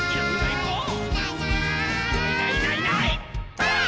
ばあっ！